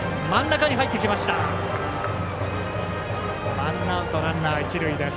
ワンアウト、ランナー、一塁です。